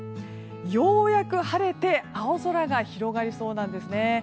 ようやく晴れて青空が広がりそうなんです。